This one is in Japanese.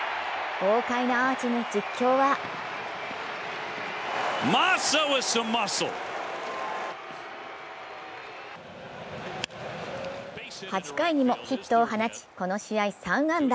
豪快なアーチに実況は８回にもヒットを放ち、この試合３安打。